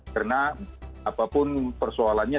karena apapun persoalannya